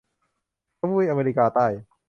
ทวีปอเมริกาใต้